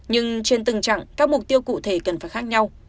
nhưng trên từng chặng các mục tiêu cụ thể cần phải khác nhau